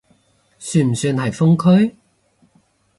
算唔算係封區？